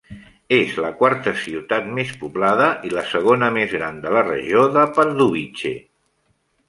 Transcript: És la quarta ciutat més poblada i la segona més gran de la regió de Pardubice.